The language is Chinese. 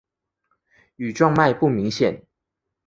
羽状脉不明显。